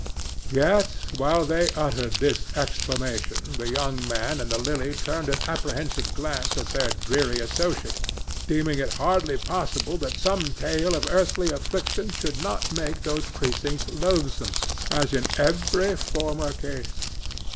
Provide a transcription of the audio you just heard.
Yet while they uttered this exclamation the young man and the Lily turned an apprehensive glance at their dreary associate, deeming it hardly possible that some tale of earthly affliction should not make those precincts loathsome, as in every former case.